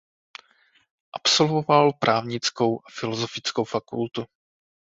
Absolvoval právnickou a filozofickou fakultu.